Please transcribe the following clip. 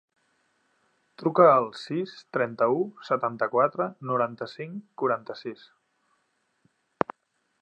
Truca al sis, trenta-u, setanta-quatre, noranta-cinc, quaranta-sis.